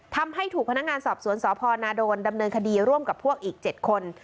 ทำให้ถูกพนักงานสอบสวนสพนาโดนดำเนินคดีร่วมกับพวกอีก๗คน